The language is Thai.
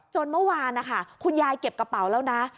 เมื่อวานนะคะคุณยายเก็บกระเป๋าแล้วนะ